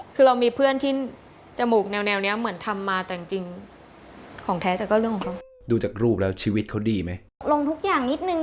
คือเรามีเพื่อนที่จมูกแนวเนี่ยเหมือนทำมาแต่จริง